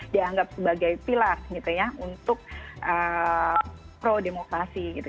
dianggap sebagai pilar gitu ya untuk pro demokrasi gitu